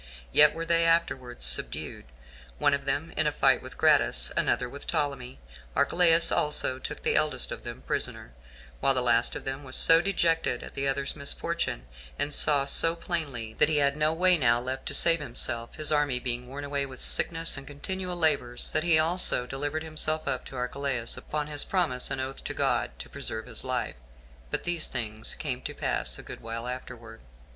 Yet were they afterwards subdued; one of them in a fight with Gratus, another with Ptolemy; Archelaus also took the eldest of them prisoner; while the last of them was so dejected at the other's misfortune, and saw so plainly that he had no way now left to save himself, his army being worn away with sickness and continual labors, that he also delivered himself up to Archelaus, upon his promise and oath to God [to preserve his life.] But these things came to pass a good while afterward.